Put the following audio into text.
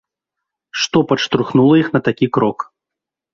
Што падштурхнула іх на такі крок?